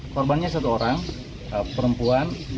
korbannya satu orang perempuan